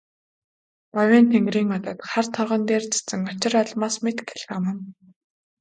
Говийн тэнгэрийн одод хар торгон дээр цацсан очир алмаас мэт гялтганан.